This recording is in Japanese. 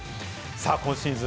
今シーズン